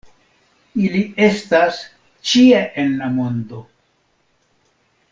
Ili estas ĉie en la mondo.